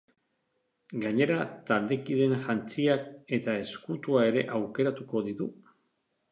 Gainera, taldekideen jantziak eta ezkutua ere aukeratuko ditu.